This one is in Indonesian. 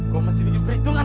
gue mesti bikin perhitungan